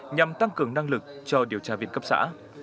nhằm tăng cường năng lực cho điều tra viên cấp xã